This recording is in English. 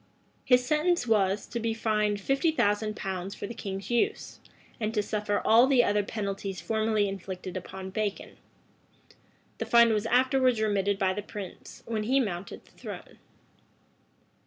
His sentence was, to be fined fifty thousand pounds for the king's use, and to suffer all the other penalties formerly inflicted upon Bacon. The fine was afterwards remitted by the prince, when he mounted the throne.